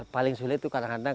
paling sulit itu kadang kadang